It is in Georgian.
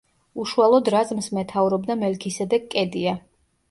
უშუალოდ რაზმს მეთაურობდა მელქისედეკ კედია.